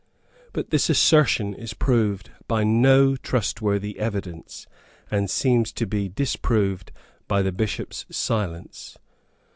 But this assertion is proved by no trustworthy evidence, and seems to be disproved by the Bishop's silence.